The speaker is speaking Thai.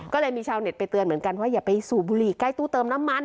ก็เลยมีชาวเน็ตไปเตือนเหมือนกันว่าอย่าไปสูบบุหรี่ใกล้ตู้เติมน้ำมัน